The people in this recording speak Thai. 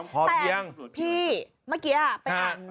ภอบค์พี่เมื่อกี้อ่ะไปอ่าน